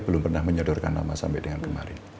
p tiga belum pernah menyedorkan nama sampai dengan kemarin